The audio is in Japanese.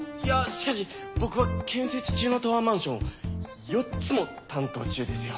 しかし僕は建設中のタワーマンション４つも担当中ですよ？